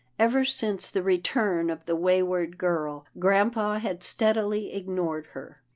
Ever since the return of the wayward girl, grampa had steadily ignored her.